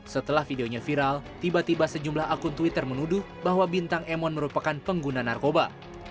setelah videonya viral tiba tiba sejumlah akun twitter menuduh bahwa bintang emon merupakan pengguna narkoba